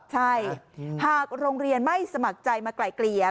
ใช่หากโรงเรียนไม่สมัครใจมาไกลเกลี่ย